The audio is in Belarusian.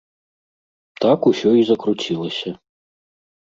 Так усё і закруцілася.